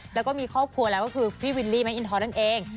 แล้วก็มีครอบครัวแล้วก็คือพี่วิลลี่แม่อินทรนั่นเอง